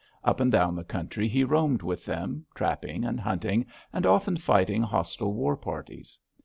Up and down the country he roamed with them, trapping and hunting, and often fighting hostile war parties.